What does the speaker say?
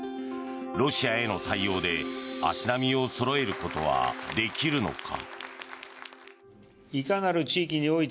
ロシアへの対応で足並みをそろえることはできるのか。